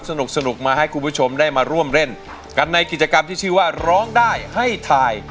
สนุกสนุกมาให้คุณผู้ชมได้มาร่วมเล่นกันในกิจกรรมที่ชื่อว่าร้องได้ให้ถ่าย